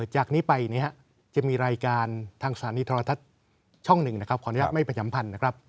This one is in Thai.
จากนี้ไปจะมีรายการทางสถานีทรทัศน์ช่อง๑ขออนุญาตไม่ประจำพันธ์